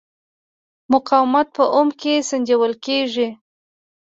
مقاومت په اوم کې سنجول کېږي.